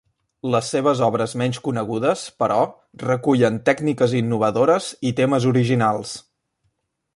Les seves obres menys conegudes, però, recullen tècniques innovadores i temes originals.